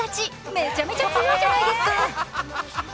めちゃめちゃ強いじゃないですか。